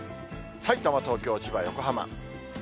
さいたま、東京、千葉、横浜。